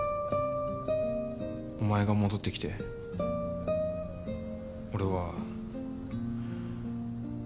お前が戻って来て俺は。